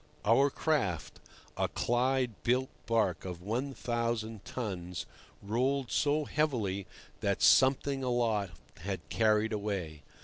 Our craft, a Clyde built barque of 1,000 tons, rolled so heavily that something aloft had carried away.